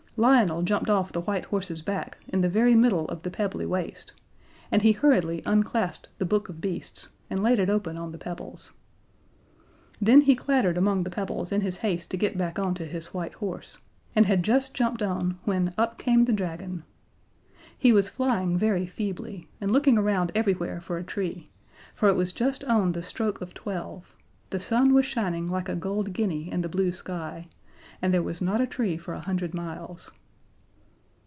Lionel jumped off the white horse's back in the very middle of the Pebbly Waste, and he hurriedly unclasped The Book of Beasts and laid it open on the pebbles. Then he clattered among the pebbles in his haste to get back on to his white horse, and had just jumped on when up came the Dragon. He was flying very feebly, and looking around everywhere for a tree, for it was just on the stroke of twelve, the sun was shining like a gold guinea in the blue sky, and there was not a tree for a hundred miles.